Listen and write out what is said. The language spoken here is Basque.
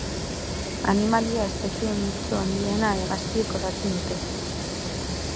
Animalia espezieen multzo handiena hegaztiek osatzen dute.